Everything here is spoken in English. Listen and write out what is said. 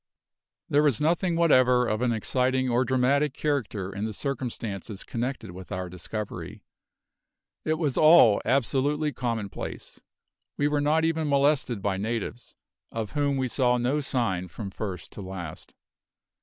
There was nothing whatever of an exciting or dramatic character in the circumstances connected with our discovery; it was all absolutely commonplace; we were not even molested by natives, of whom we saw no sign from first to last.